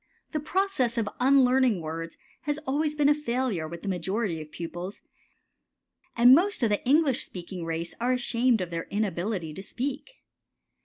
The process of unlearning words has always been a failure with the majority of pupils, and most of the English speaking race are ashamed of their inability to speak.